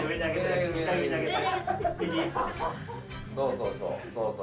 そうそうそう。